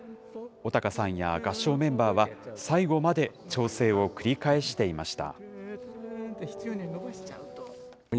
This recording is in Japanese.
尾高さんや合唱メンバーは最後まで調整を繰り返していました。